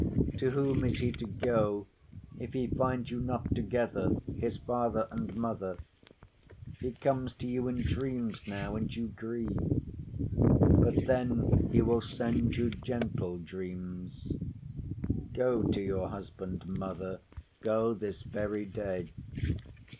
To whom is he to go if he find you not together, his father and mother? He comes to you in dreams now, and you grieve. But then he will send you gentle dreams. Go to your husband, mother; go this very day."